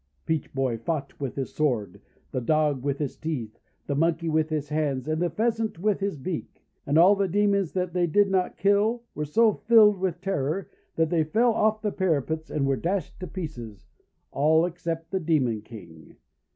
Peach Boy fought with his sword, the Dog with his teeth, the Monkey with his hands, and the Pheasant with his beak; and all the Demons that they did not kill were so filled with terror that they fell off the parapets and were dashed to pieces — all except the Demon King.